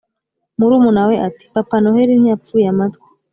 murumuna we ati"papa noheli ntiyapfuye amatwi